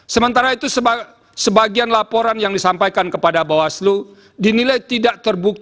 sementara itu sebagian laporan yang disampaikan kepada bawaslu dinilai tidak terbukti